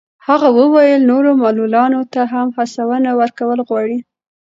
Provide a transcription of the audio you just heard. هغه وویل نورو معلولانو ته هم هڅونه ورکول غواړي.